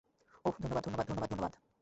ওহ, ধন্যবাদ, ধন্যবাদ, ধন্যবাদ, ধন্যবাদ।